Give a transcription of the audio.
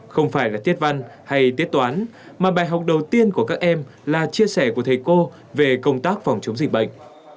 không phải là tiết văn hay tiết toán mà bài học đầu tiên của các em là chia sẻ của thầy cô về công tác phòng chống dịch bệnh